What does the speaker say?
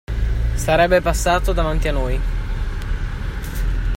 Sarebbe passato davanti a noi.